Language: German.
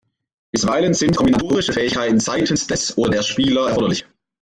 Bisweilen sind kombinatorische Fähigkeiten seitens des oder der Spieler erforderlich.